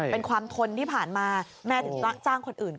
เป็นความทนที่ผ่านมาแม่จ้างคนอื่น